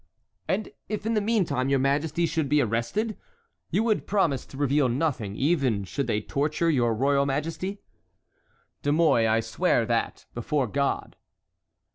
"And if in the meantime your majesty should be arrested, you would promise to reveal nothing even should they torture your royal majesty?" "De Mouy, I swear that, before God."